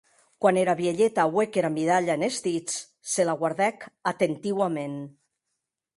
Quan era vielheta auec era midalha enes dits, se la guardèc atentiuament.